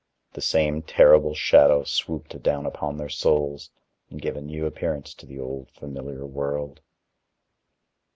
The same terrible shadow swooped down upon their souls and gave a new appearance to the old familiar world.